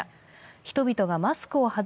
人々がマスクをはず